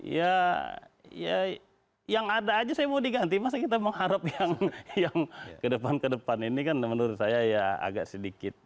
ya ya yang ada aja saya mau diganti masa kita mengharap yang ke depan ke depan ini kan menurut saya ya agak sedikit